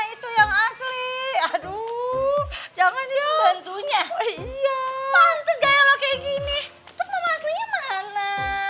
itu yang asli aduh jangan ya bantunya gaya lo kayak gini tuh mana